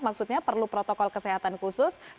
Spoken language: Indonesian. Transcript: maksudnya perlu protokol kesehatan khusus